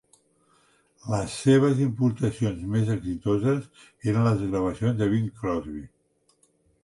Les seves importacions més exitoses eren les gravacions de Bing Crosby.